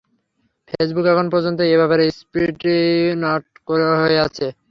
Facebook এখন পর্যন্ত এ ব্যাপারে স্পিক্টি নট হয়ে আছে।